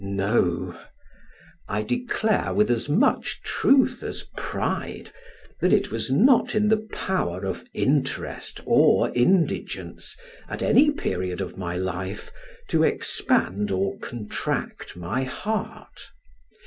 No: I declare with as much truth as pride, that it was not in the power of interest or indigence, at any period of my life, to expand or contract my heart.